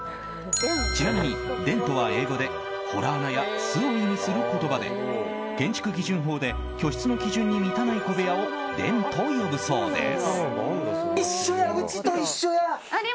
ちなみに、ＤＥＮとは英語で洞穴や巣を意味する言葉で建築基準法で居室の基準に満たない小部屋をＤＥＮと呼ぶそうです。